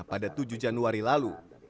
pada tujuh januari lalu